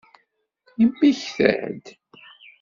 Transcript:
Yemmekta-d?